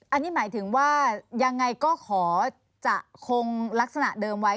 อันนี้หมายถึงว่ายังไงก็ขอจะคงลักษณะเดิมไว้